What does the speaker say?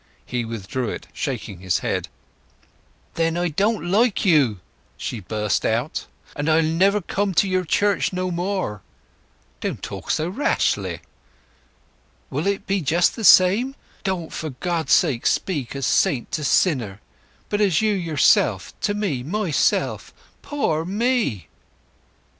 He withdrew it, shaking his head. "Then I don't like you!" she burst out, "and I'll never come to your church no more!" "Don't talk so rashly." "Perhaps it will be just the same to him if you don't?... Will it be just the same? Don't for God's sake speak as saint to sinner, but as you yourself to me myself—poor me!"